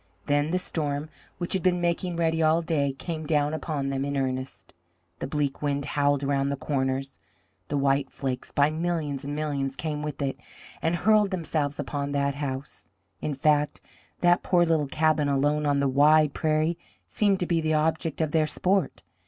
Then the storm, which had been making ready all day, came down upon them in earnest. The bleak wind howled around the corners, the white flakes by millions and millions came with it, and hurled themselves upon that house. In fact, that poor little cabin alone on the wide prairie seemed to be the object of their sport.